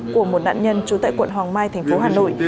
của một nạn nhân trú tại quận hoàng mai tp hà nội